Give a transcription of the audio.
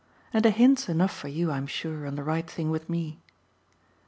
And a hint's enough for you, I'm sure, on the right thing with me."